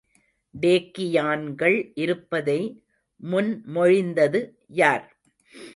டேக்கியான்கள் இருப்பதை முன்மொழிந்தது யார்?